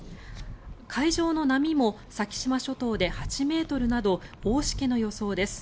海上の波も先島諸島で８ｍなど大しけの予想です。